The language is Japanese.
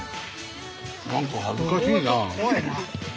何か恥ずかしいな。